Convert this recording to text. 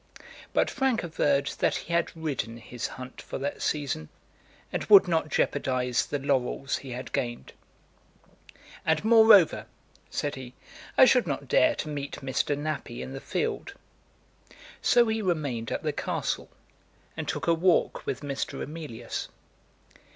But Frank averred that he had ridden his hunt for that season, and would not jeopardise the laurels he had gained. "And, moreover," said he, "I should not dare to meet Mr. Nappie in the field." So he remained at the castle and took a walk with Mr. Emilius.